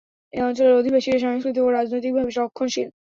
এ অঞ্চলের অধিবাসীরা সাংস্কৃতিক ও রাজনৈতিকভাবে রক্ষণশীল।